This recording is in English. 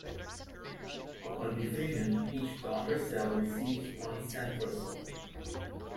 Upon division, each daughter cell receives one centrosome.